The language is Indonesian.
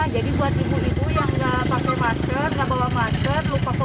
jadi buat ibu ibu yang tidak pakai masker tidak bawa masker